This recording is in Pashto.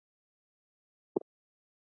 که خلک همکاري وکړي، نو کار به ژر خلاص شي.